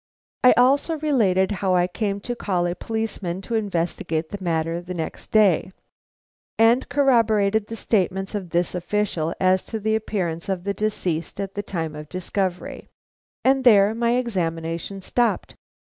I also related how I came to call a policeman to investigate the matter next day, and corroborated the statements of this official as to the appearance of the deceased at time of discovery. And there my examination stopped.